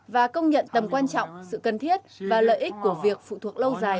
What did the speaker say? và công nhận tầm quan trọng sự cần thiết và lợi ích của việc phụ thuộc lâu dài